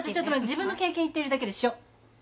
自分の経験言ってるだけでしょ？